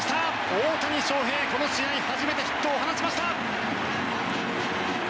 大谷翔平、この試合初めてヒットを放ちました。